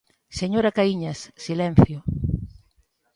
Señora Caíñas, silencio.